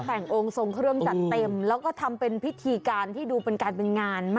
แต่งองค์ทรงเครื่องจัดเต็มแล้วก็ทำเป็นพิธีการที่ดูเป็นการเป็นงานมาก